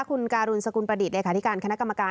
คุณกาหลุนศกุลประดิษฐ์แรกฐานที่การขนาดกรรมการ